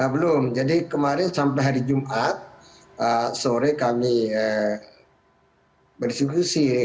belum jadi kemarin sampai hari jumat sore kami berdiskusi